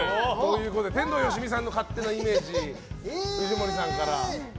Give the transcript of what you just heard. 天童よしみさんの勝手なイメージ藤森さんから。